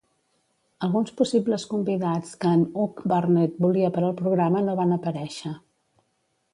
Alguns possibles convidats que en Hugh Burnett volia per al programa no van aparèixer.